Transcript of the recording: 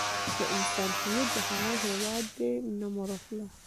د انسان هویت د هغه هيواد دی نه مور او پلار.